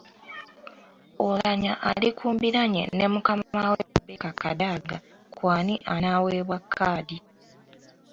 Oulanyah ali ku mbiranye ne mukama we Rebecca Kadaga ku ani anaaweebwa kkaadi.